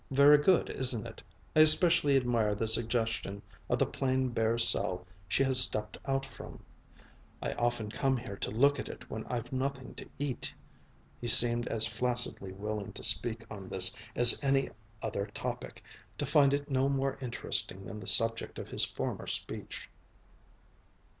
Very good, isn't it? I especially admire the suggestion of the plain bare cell she has stepped out from. I often come here to look at it when I've nothing to eat." He seemed as flaccidly willing to speak on this as on any other topic; to find it no more interesting than the subject of his former speech.